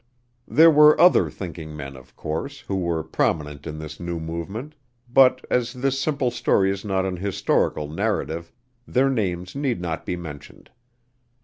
There were other thinking men, of course, who were prominent in this new movement, but, as this simple story is not an historical narrative, their names need not be mentioned.